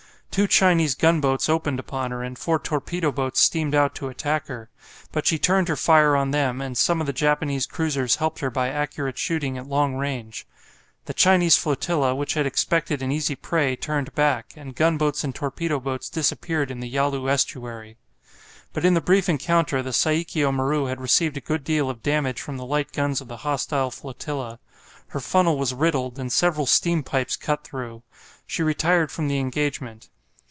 Two Chinese gunboats opened upon her and four torpedo boats steamed out to attack her. But she turned her fire on them, and some of the Japanese cruisers helped her by accurate shooting at long range. The Chinese flotilla, which had expected an easy prey, turned back, and gunboats and torpedo boats disappeared in the Yalu estuary. But in the brief encounter the "Saikio Maru" had received a good deal of damage from the light guns of the hostile flotilla. Her funnel was riddled, and several steam pipes cut through. She retired from the engagement.